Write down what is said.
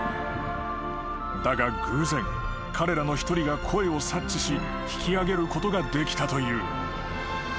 ［だが偶然彼らの一人が声を察知し引き上げることができたという］